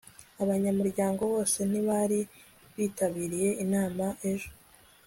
abanyamuryango bose ntibari bitabiriye inama ejo